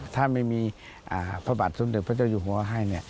ถ้าไม่มีพระบาทสมเด็จพระเจ้าอยู่หัวให้